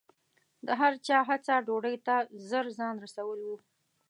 د هر چا هڅه ډوډۍ ته ژر ځان رسول و.